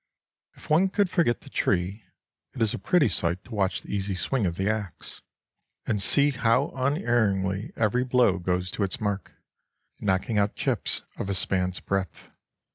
If one could forget the tree, it is a pretty sight to watch the easy swing of the axe, and see how unerringly every blow goes to its mark, knocking out chips of a span's breadth.